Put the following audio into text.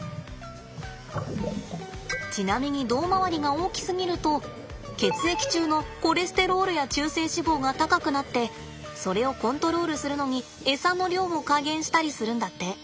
因みに胴回りが大きすぎると血液中のコレステロールや中性脂肪が高くなってそれをコントロールするのにエサの量を加減したりするんだって。